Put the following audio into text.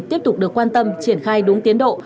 tiếp tục được quan tâm triển khai đúng tiến độ